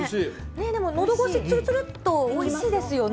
でものどごし、つるつるっとおいしいですよね。